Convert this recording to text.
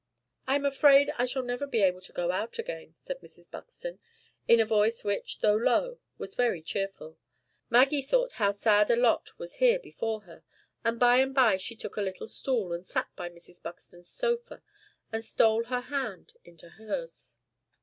"I am afraid I shall never be able to go out again," said Mrs. Buxton, in a voice which, though low, was very cheerful. Maggie thought how sad a lot was here before her; and by and by she took a little stool, and sat by Mrs. Buxton's sofa, and stole her hand into hers.